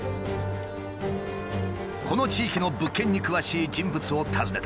この地域の物件に詳しい人物を訪ねた。